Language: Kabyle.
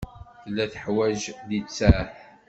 Tella teḥwaj littseɛ.